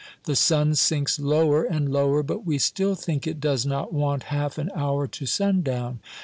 The sun sinks lower and lower, but we still think it does not want half an hour to sundown.